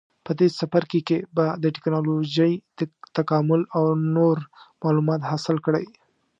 په دې څپرکي کې به د ټېکنالوجۍ تکامل او نور معلومات حاصل کړئ.